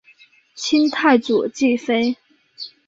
清太祖继妃。